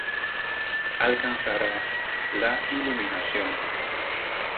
Alcanzará la iluminación".